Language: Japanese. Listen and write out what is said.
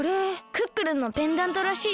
クックルンのペンダントらしいよ。